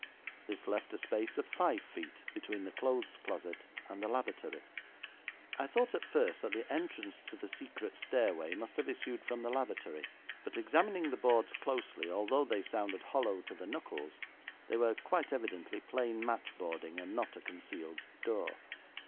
This left a space of five feet between the clothes closet and the lavatory. I thought at first that the entrance to the secret stairway must have issued from the lavatory, but examining the boards closely, although they sounded hollow to the knuckles, they were quite evidently plain matchboarding, and not a concealed door.